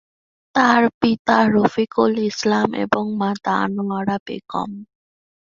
তার পিতা রফিকুল ইসলাম এবং মাতা আনোয়ারা বেগম।